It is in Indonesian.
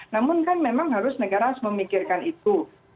namun kan memang harus negara harus memikirkan itu